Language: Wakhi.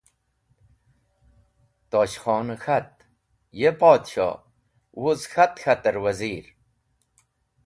Tosh Khone k̃hat: Ye Podshoh! Wuz k̃hat k̃hater Wazir.